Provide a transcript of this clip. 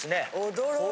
驚いた。